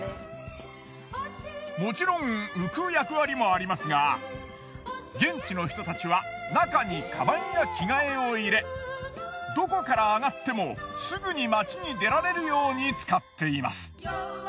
もちろん浮く役割もありますが現地の人たちは中にカバンや着替えを入れどこから上がってもすぐに街に出られるように使っています。